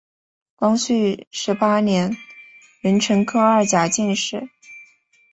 光绪十八年壬辰科二甲进士。